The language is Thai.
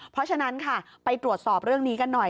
เพราะฉะนั้นค่ะไปตรวจสอบเรื่องนี้กันหน่อย